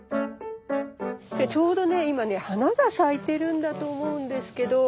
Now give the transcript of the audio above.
ちょうどね今ね花が咲いてるんだと思うんですけど。